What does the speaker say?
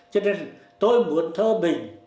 cho nên tôi muốn thơ mình